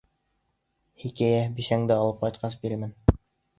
Хикәйә Бисәңде алып ҡайтҡас бирермен.